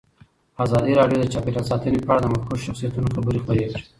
ازادي راډیو د چاپیریال ساتنه په اړه د مخکښو شخصیتونو خبرې خپرې کړي.